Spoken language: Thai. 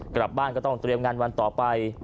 กลับบ้านก็ต้องเตรียมงานวันต่อไป